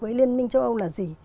với liên minh châu âu là gì